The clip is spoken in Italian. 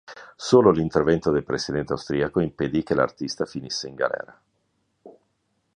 Solo l'intervento del presidente austriaco impedì che l'artista finisse in galera.